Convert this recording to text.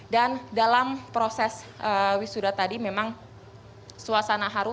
dan dalam proses wisuda tadi memang suasana haru